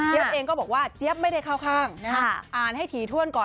เจี๊ยบเองก็บอกว่าเจี๊ยบไม่ได้เข้าข้างอ่านให้ถีถ้วนก่อน